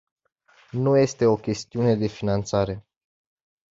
Nu este o chestiune de finanțare.